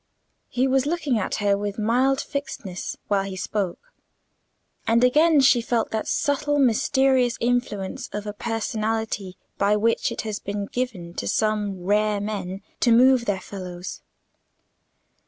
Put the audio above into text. He was looking at her with mild fixedness while he spoke, and again she felt that subtle mysterious influence of a personality by which it has been given to some rare men to move their fellows.